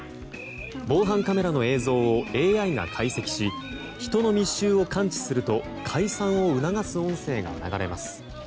防犯カメラの映像をＡＩが解析し人の密集を感知すると解散を促す音声が流れます。